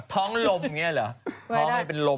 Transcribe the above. ท้องลมเนี่ยเหรอ